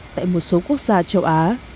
tại một số quốc gia châu á